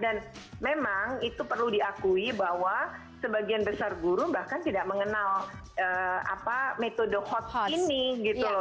dan memang itu perlu diakui bahwa sebagian besar guru bahkan tidak mengenal apa metode hots ini gitu loh